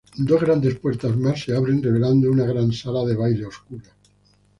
Dos grandes puertas más se abren revelando una gran sala de baile oscura.